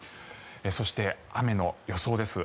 そして、雨の予想です。